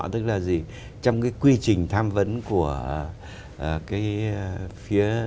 tức là gì trong cái quy trình tham vấn của cái phía